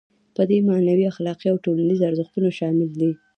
په دې کې معنوي، اخلاقي او ټولنیز ارزښتونه شامل دي.